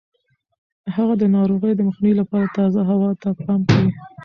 هغه د ناروغیو د مخنیوي لپاره تازه هوا ته پام کوي.